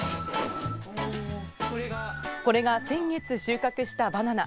これが先月、収穫したバナナ。